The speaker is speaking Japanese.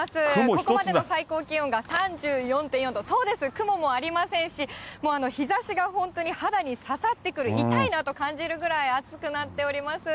ここまでの最高気温が３４．４度、そうです、雲もありませんし、日ざしが本当に肌に刺さってくる、痛いなと感じるぐらい暑くなっております。